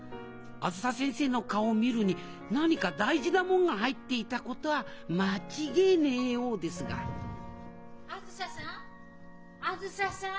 あづさ先生の顔を見るに何か大事なもんが入っていたことは間違えねえようですが・あづささん？